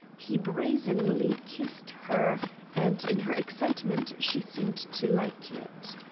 He brazenly kissed her, and in her excitement she seemed to like it.